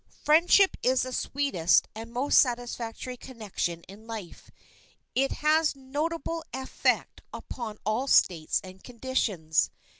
_'" Friendship is the sweetest and most satisfactory connection in life. It has notable effect upon all states and conditions.